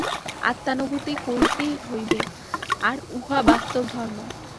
আত্মানুভূতি করিতেই হইবে, আর উহা বাস্তব ধর্ম।